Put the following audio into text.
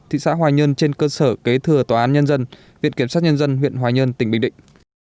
thị xã hoài nhơn trên cơ sở kế thừa tòa án nhân dân viện kiểm sát nhân dân huyện hoài nhơn tỉnh bình định